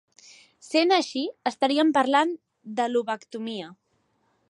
Sent així, estaríem parlant de lobectomia.